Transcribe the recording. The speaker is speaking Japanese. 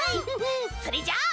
それじゃ。